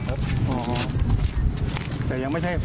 อืมว่านี่คือรถของนางสาวกรรณิการก่อนจะได้ชัดเจนไป